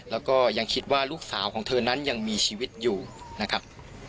แล้วก็ยังคิดว่าลูกสาวของเธอนั้นยังมีชีวิตอยู่นะครับ